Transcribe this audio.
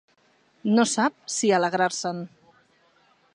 No sap si alegrar-se'n.